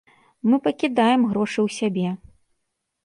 Мы пакідаем грошы ў сябе.